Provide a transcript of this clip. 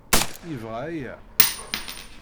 Yebɣa aya.